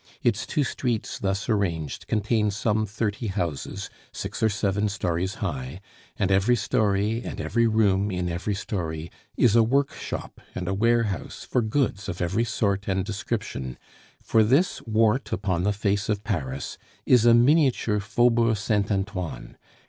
Its two streets thus arranged contain some thirty houses, six or seven stories high; and every story, and every room in every story, is a workshop and a warehouse for goods of every sort and description, for this wart upon the face of Paris is a miniature Faubourg Saint Antoine.